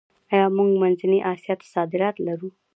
آیا موږ منځنۍ اسیا ته صادرات لرو؟